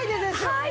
はい。